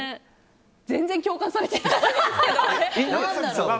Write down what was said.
全然、共感されてないですけど。